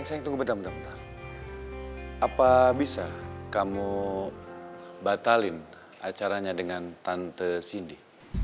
ngapain sayang tunggu bentar bentar apa bisa kamu batalin acaranya dengan tante cindy